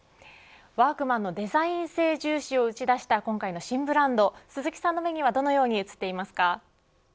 ワークマンのデザイン性重視を打ち出した今回の新ブランド鈴木さんの目にはどのように映っていますか。